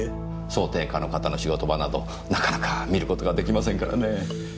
装丁家の方の仕事場などなかなか見る事ができませんからねぇ。